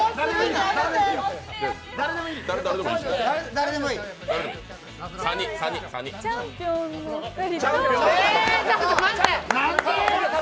誰でもいい、３人。